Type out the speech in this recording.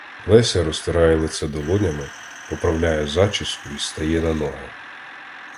Леся розтирає лице долонями, поправляє зачіску й стає на ноги.